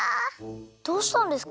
どうしたんですか？